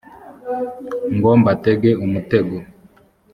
ngo mbatege umutego